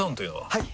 はい！